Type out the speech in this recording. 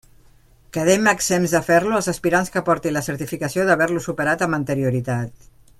Quedem exempts de fer-lo els aspirants que aportin la certificació d'haver-lo superat amb anterioritat.